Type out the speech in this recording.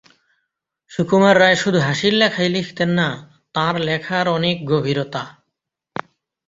সুকুমার রায় শুধু হাসির লেখাই লিখতেন না তাঁর লেখার অনেক গভীরতা।